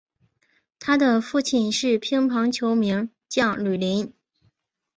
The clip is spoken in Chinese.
他的父亲是乒乓球名将吕林。